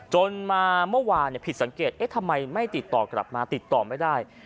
จนมาเมื่อวานผิดสังเกตทำไมไม่ติดต่อกลับมาติดต่อไม่ได้